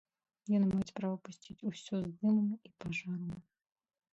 Яны маюць права пусціць усё з дымам і пажарам.